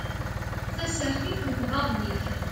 Tasertit n tbaḍnit